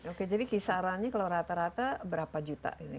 oke jadi kisarannya kalau rata rata berapa juta ini